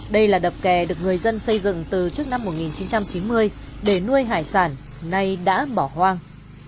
đây là đập kè được người dân xây dựng từ trước năm một nghìn chín trăm chín mươi để nuôi hải sản nay đã bỏ hoang